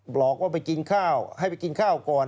บอกว่าไปกินข้าวให้ไปกินข้าวก่อน